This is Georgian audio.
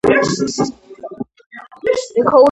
პოლიტიკური კარიერის განმავლობაში არაერთხელ შეიცვალა პარტია.